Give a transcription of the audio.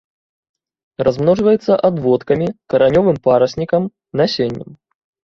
Размножваецца адводкамі, каранёвым параснікам, насеннем.